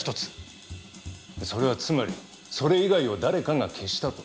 それはつまりそれ以外を誰かが消したと？